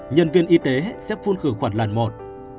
nhân viên y tế sẽ phun khử khuẩn lần một